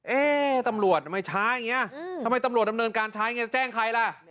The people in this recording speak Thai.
เอ๊ะตำรวจทำไมช้าอย่างนี้ทำไมตำรวจดำเนินการช้าไงแจ้งใครล่ะ